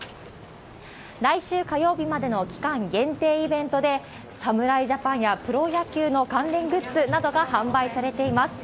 来週火曜日までの期間限定イベントで、侍ジャパンやプロ野球の関連グッズなどが販売されています。